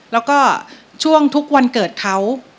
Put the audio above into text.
แล้วก็ช่วงทุกวันเกิดเขา